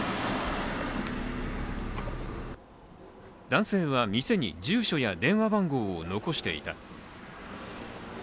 男性は店に住所や電話番号を残していた。